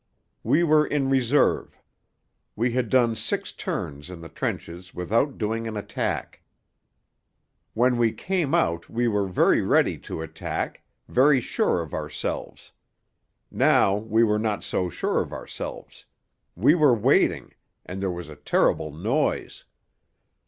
We were in reserve. We had done six turns in the trenches without doing an attack. When we came out we were very ready to attack, very sure of ourselves. Now we were not so sure of ourselves; we were waiting, and there was a terrible noise.